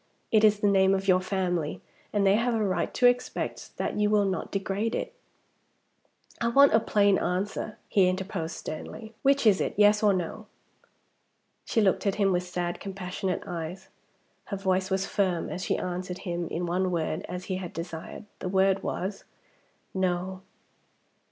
It is the name of your family; and they have a right to expect that you will not degrade it " "I want a plain answer," he interposed sternly. "Which is it? Yes, or No?" She looked at him with sad compassionate eyes. Her voice was firm as she answered him in one word as he had desired. The word was "No."